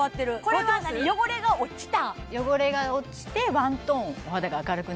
これは何汚れが落ちた？